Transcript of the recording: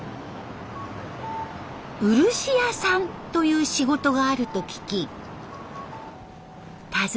「漆屋さん」という仕事があると聞き訪ねてみました。